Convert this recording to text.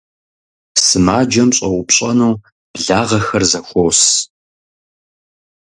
Сымаджэм щӀэупщӀэну благъэхэр зэхуос.